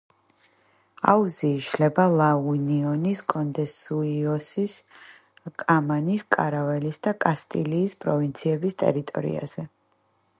აუზი იშლება ლა-უნიონის, კონდესუიოსის, კამანის, კარაველის და კასტილიის პროვინციების ტერიტორიაზე.